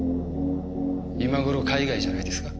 今頃海外じゃないですか。